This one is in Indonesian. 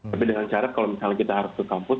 tapi dengan cara kalau misalnya kita harus ke kampus